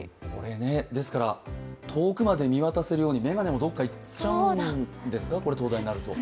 ですから、遠くまで見渡せるようにめがねもどっか行っちゃうんですかね、灯台になると。